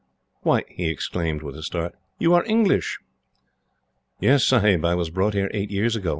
"Why," he exclaimed, with a start, "you are English!" "Yes, Sahib. I was brought here eight years ago.